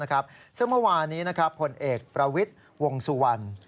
ซึ่งเมื่อวานี้ผลเอกประวิทย์วงสุวรรณ